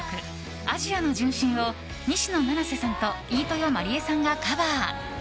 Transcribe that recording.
「アジアの純真」を西野七瀬さんと飯豊まりえさんがカバー。